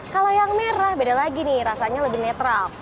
kalau yang merah beda lagi nih rasanya lebih netral